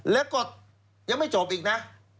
แล้วก็ยังไม่จบอีกนะ